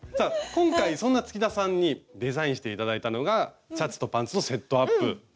今回そんな月田さんにデザインして頂いたのがシャツとパンツのセットアップなんですよ。